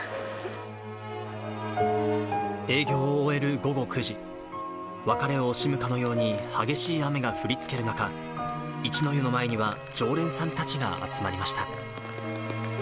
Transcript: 営業を終える午後９時、別れを惜しむかのように激しい雨が降りつける中、一の湯の前には常連さんたちが集まりました。